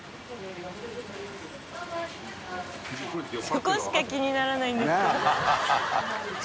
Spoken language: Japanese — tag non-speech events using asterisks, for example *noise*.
そこしか気にならないんですけど *laughs*